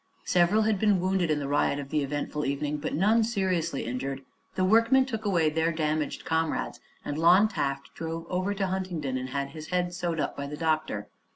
Several had been wounded in the riot of the eventful evening, but none seriously injured. The workmen took away their damaged comrades and Lon Taft drove over to Huntingdon and had his head sewed up by the doctor.